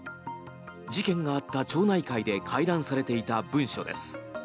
事件があった町内会で回覧されていた文書です。